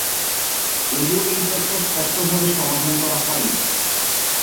যদিও এই তত্ত্ব স্পষ্টভাবে সমাধান করা হয়নি।